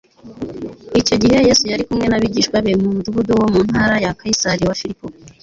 Icyo gihe Yesu yari kumwe n'abigishwa be mu mudugudu wo mu ntara ya Kayisari wa Filipo.